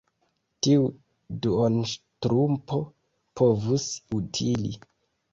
Tiu duonŝtrumpo povus utili.